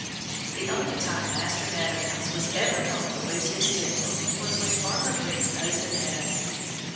The only time Master Meadow Mouse was ever known to lose his temper was when Farmer Green mowed the meadow.